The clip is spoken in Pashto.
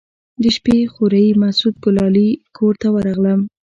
د شپې خوريي مسعود ګلالي کور ته ورغلم.